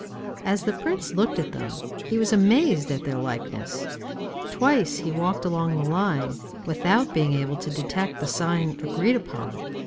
As the prince looked at them, he was amazed at their likeness. Twice he walked along the line, without being able to detect the sign agreed upon.